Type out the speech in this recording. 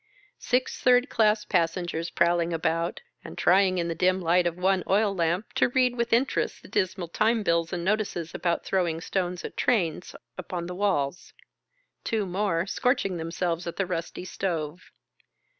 Six Ihird class passengers prowling about, and trying in the dim light of one oil lamp to read with interest the dismal time bills and notices about throwing stones at trains, upon the walls. Two more, scorching themselves at the rusty stov e.